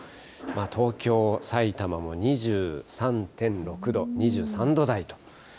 東京、さいたまも２３．６度、２３度台と。